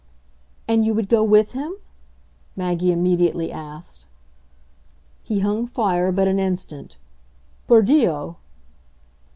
"And you would go with him?" Maggie immediately asked. He hung fire but an instant. "Per Dio!"